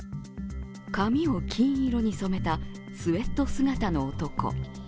髪を金色に染めたスエット姿の男。